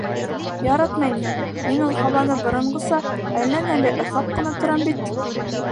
Яратмай ни, мин ул һабаны боронғоса әленән-әле ыҫлап ҡына торам бит.